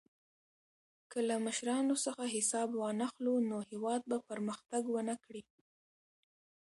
که له مشرانو څخه حساب وانخلو، نو هېواد به پرمختګ ونه کړي.